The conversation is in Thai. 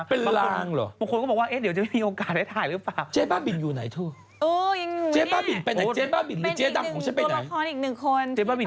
เอ๊ะทำไมต้องรีบแห่งไปแบบ